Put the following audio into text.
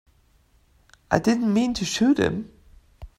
I didn't mean to shoot him.